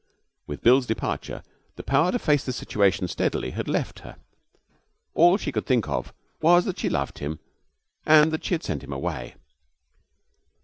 With Bill's departure the power to face the situation steadily had left her. All she could think of was that she loved him and that she had sent him away.